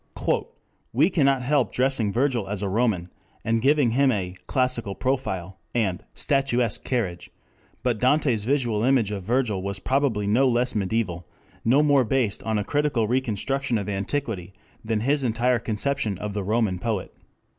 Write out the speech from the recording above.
"We cannot help dressing Virgil as a Roman, and giving him a 'classical profile' and 'statuesque carriage,' but Dante's visual image of Virgil was probably no less mediaeval, no more based on a critical reconstruction of antiquity, than his entire conception of the Roman poet.